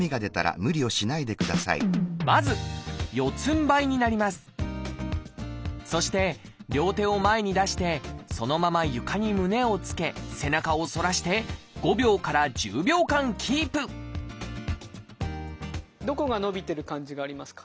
まずそして両手を前に出してそのまま床に胸をつけ背中を反らして５秒から１０秒間キープどこが伸びてる感じがありますか？